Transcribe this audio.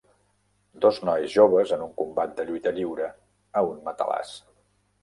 Dos nois joves en un combat de lluita lliure, a un matalàs.